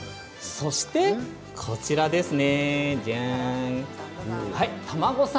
そして、こちらですね。